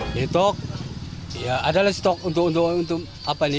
ini stok ya adalah stok untuk pemulangan haji ini